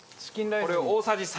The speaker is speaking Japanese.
これを大さじ３。